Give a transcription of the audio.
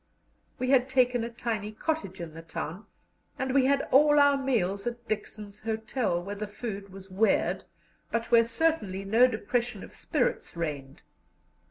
We had taken a tiny cottage in the town, and we had all our meals at Dixon's Hotel, where the food was weird, but where certainly no depression of spirits reigned.